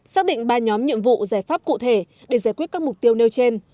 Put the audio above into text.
xác định ba nhóm nhiệm vụ giải pháp cụ thể để giải quyết các mục tiêu nêu trên